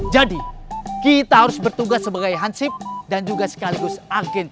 jadi kita harus bertugas sebagai hansip dan juga sekaligus agen cid